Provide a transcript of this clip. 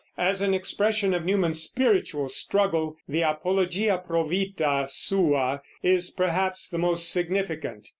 As an expression of Newman's spiritual struggle the Apologia Pro Vita Sua is perhaps the most significant.